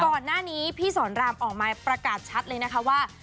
ก่อนหน้านี้พี่สอนรามออกมาประกาศชัดเลยนะคะว่า